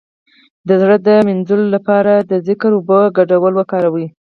د زړه د مینځلو لپاره د ذکر او اوبو ګډول وکاروئ